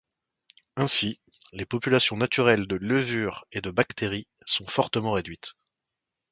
Ainsi, les populations naturelles de levures et bactéries sont fortement réduites.